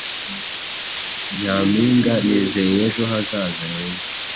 Nyampinga, nizeye ejo hazaza heza